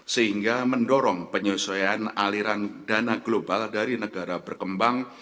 sehingga mendorong penyesuaian aliran dana global dari negara berkembang